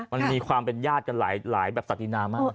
มันมีความเป็นญาติกันหลายแบบศัตรินามาก